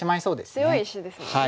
これ強い石ですもんね。